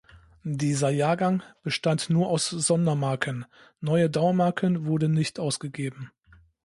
Dieser Jahrgang bestand nur aus Sondermarken; neue Dauermarken wurden nicht ausgegeben.